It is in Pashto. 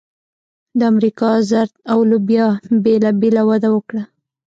د امریکا ذرت او لوبیا بېله بېله وده وکړه.